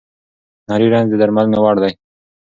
نري رنځ د درملنې وړ دی.